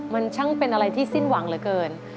มันช่างเป็นอะไรที่สิ้นหวังเหลือเกิน